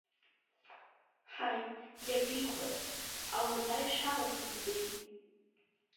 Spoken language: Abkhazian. Ҳаи, иабихәац, ауадаҩ шәаласымҵеи!